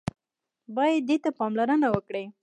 بايد دې ته پاملرنه وکړي.